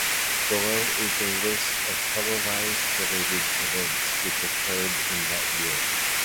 Below is a list of television-related events which occurred in that year.